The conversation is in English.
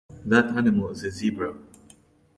That animal is a Zebra.